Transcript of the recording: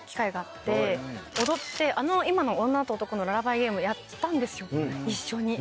あの今の『女と男のララバイゲーム』やったんですよ一緒に。